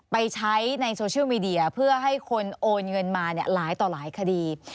ไปใช้ในโซเชียลมีเดียเพื่อให้คนโอนเงินมาหลายต่อหลายคดี